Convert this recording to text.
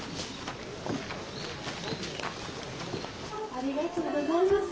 ありがとうございます。